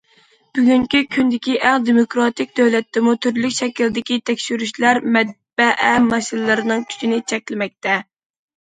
بۈگۈنكى كۈندىكى ئەڭ دېموكراتىك دۆلەتتىمۇ تۈرلۈك شەكىلدىكى تەكشۈرۈشلەر مەتبەئە ماشىنىلىرىنىڭ كۈچىنى چەكلىمەكتە.